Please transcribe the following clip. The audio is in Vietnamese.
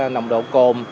nồng độ cồn